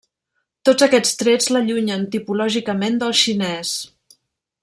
Tots aquests trets l'allunyen tipològicament del xinès.